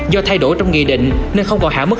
do thay đổi trong nghị định nên không còn hạ mức